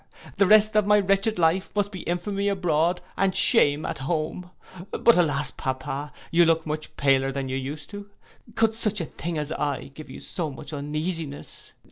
The rest of my wretched life must be infamy abroad and shame at home. But, alas! papa, you look much paler than you used to do. Could such a thing as I am give you so much uneasiness?